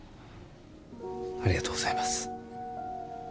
ありがとうございます。